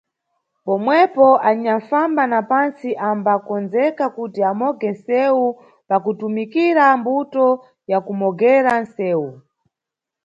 Pomwepo anyanʼfamba na pantsi ambakondzeka kuti amoge nʼsewu pakutumikira mbuto ya kumogera nʼsewu.